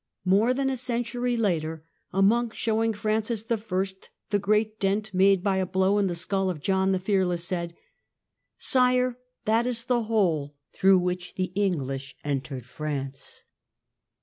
More than a century later, a monk showing Francis I. the great dent made by a blow in the skull of John the Fearless, said: "Sire, that is. the hole through which the Enghsh entered France".